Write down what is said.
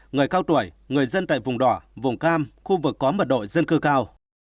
người cao tuổi người dân tại vùng đỏ vùng cam khu vực có mật độ dân cư cao